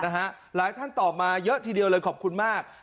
หลายท่านตอบมาเยอะทีเดียวเลยขอบคุณมาก